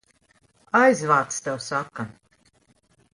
Aizvāc, tev saka!